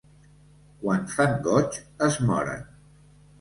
Quan fan goig es moren.